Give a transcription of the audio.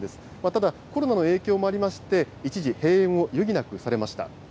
ただ、コロナの影響もありまして、一時閉園を余儀なくされました。